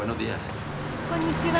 こんにちは。